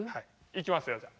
いきますよじゃあ。